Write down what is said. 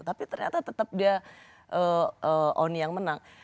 tapi ternyata tetap dia on yang menang